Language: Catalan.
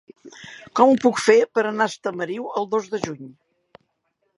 Com ho puc fer per anar a Estamariu el dos de juny?